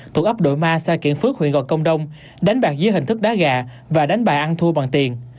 thuộc ấp đội ma xã kiện phước huyện gò công đông đánh bạc dưới hình thức đá gà và đánh bài ăn thua bằng tiền